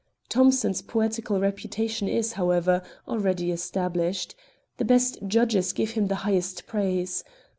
Thomson's poetical reputation is, however, already established. The best judges give him the highest praise.